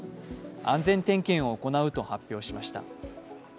安全点検を行うと発表しました。